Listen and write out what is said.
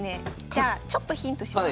じゃあちょっとヒントします。